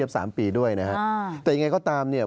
สามปีด้วยนะฮะอ่าแต่ยังไงก็ตามเนี่ย